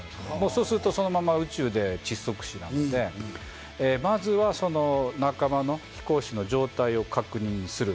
そうすると、そのまま宇宙で窒息死なので、まずは仲間の飛行士の状態を確認する。